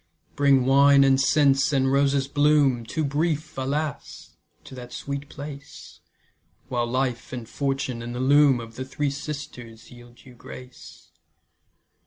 Bring wine and scents, and roses' bloom, Too brief, alas! to that sweet place, While life, and fortune, and the loom Of the Three Sisters yield you grace.